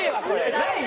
ないよ。